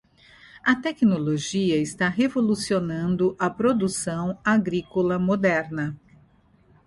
A tecnologia está revolucionando a produção agrícola moderna.